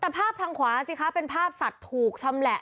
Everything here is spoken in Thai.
แต่ภาพทางขวาสิคะเป็นภาพสัตว์ถูกชำแหละ